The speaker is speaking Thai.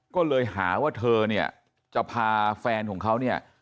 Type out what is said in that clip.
ก็เลยหาว่าเธอเนี่ยจะพาแฟนของเขาเนี่ย